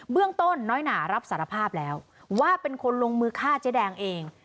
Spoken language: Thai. เรื่องต้นน้อยหนารับสารภาพแล้วว่าเป็นคนลงมือฆ่าเจ๊แดงเอง